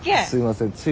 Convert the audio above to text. すいません。